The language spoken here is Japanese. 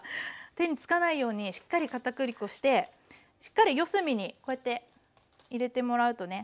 手につかないようにしっかりかたくり粉してしっかり四隅にこうやって入れてもらうとね。